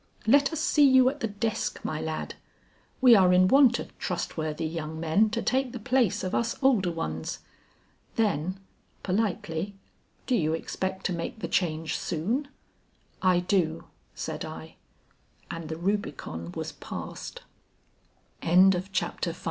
Let us see you at the desk, my lad. We are in want of trustworthy young men to take the place of us older ones." Then politely, "Do you expect to make the change soon?" "I do," said I. And the Rubicon was passed. VI. A HAND CLASP.